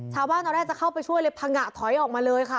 ตอนแรกจะเข้าไปช่วยเลยพังงะถอยออกมาเลยค่ะ